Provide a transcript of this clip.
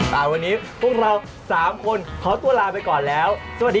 ตามวันนี้พวกเรา๓คนขอตัวลาไปก่อนแล้ว